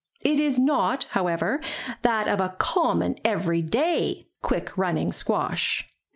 It is not, however, that of the common, everyday quick running squash.